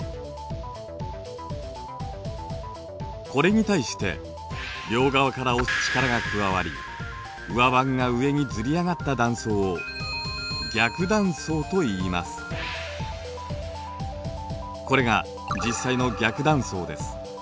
これに対して両側から押す力が加わり上盤が上にずり上がった断層をこれが実際の逆断層です。